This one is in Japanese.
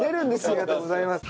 ありがとうございます。